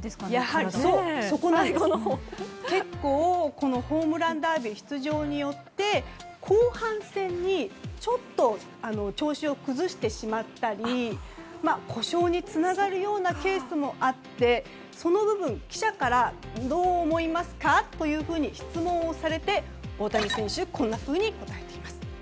ですから、やはり結構、ホームランダービー出場によって後半戦にちょっと調子を崩してしまったり故障につながるようなケースもあってその部分、記者からどう思いますかというふうに質問をされて大谷選手はこう答えています。